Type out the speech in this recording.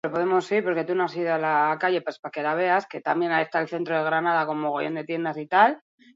Anfibio gautarra, egunez ezkutatua egoten da bere gordelekuan.